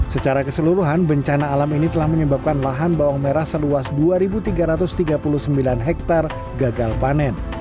secara keseluruhan bencana alam ini telah menyebabkan lahan bawang merah seluas dua tiga ratus tiga puluh sembilan hektare gagal panen